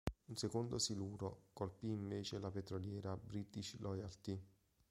Un secondo siluro colpì invece la petroliera "British Loyalty".